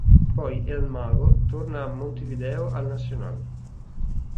Poi "el Mago" torna a Montevideo al Nacional.